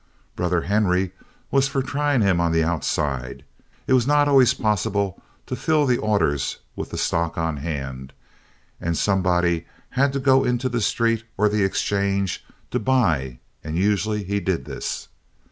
Brother Henry was for trying him on the outside. It was not always possible to fill the orders with the stock on hand, and somebody had to go into the street or the Exchange to buy and usually he did this.